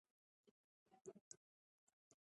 د لیکوال نوم له کتونکو پټ ساتل کیږي.